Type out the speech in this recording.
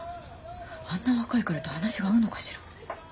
あんな若い彼と話が合うのかしら。